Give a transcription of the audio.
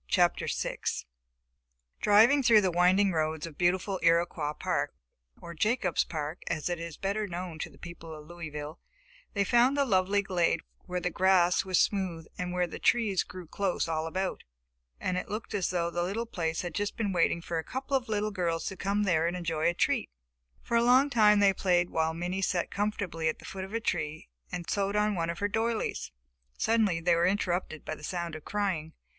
CHAPTER VI Driving through the winding roads of beautiful Iroquois Park, or Jacobs Park as it is better known to the people of Louisville, they found a lovely glade where the grass was smooth and where the trees grew close all about. They were screened from the passersby, and it looked as though the little place had just been waiting for a couple of little girls to come there and enjoy a treat. For a long time they played while Minnie sat comfortably at the foot of a tree and sewed on one of her doilies. Suddenly they were interrupted by the sound of crying.